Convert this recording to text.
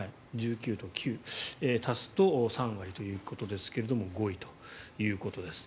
１９と９足すと３割ということですが５位ということです。